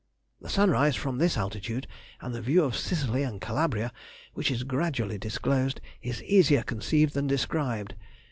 The sunrise from this altitude, and the view of Sicily and Calabria, which is gradually disclosed, is easier conceived than described.